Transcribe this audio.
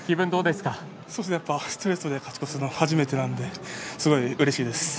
ストレートで勝ち越すのが初めてなのですごいうれしいです。